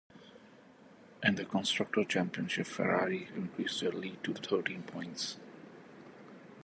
In the Constructors' Championship, Ferrari increased their lead to thirteen points.